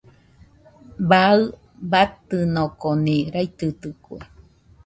Baɨ batɨnokoni raitɨitɨkue.